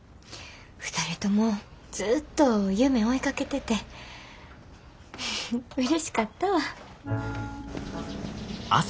２人ともずっと夢追いかけててうれしかったわ。